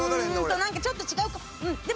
なんかちょっと違うかも。